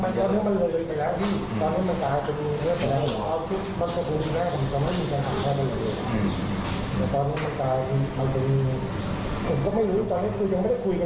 ถ้าเกิดเช้ามาก็ได้แล้วเช้าต่อมาผมจะมาเหลือกันแล้วก็